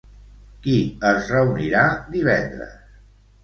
Qui es reunirà divendres?